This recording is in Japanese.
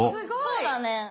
そうだね。